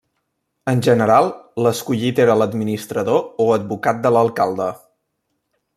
En general, l'escollit era l'administrador o advocat de l'alcalde.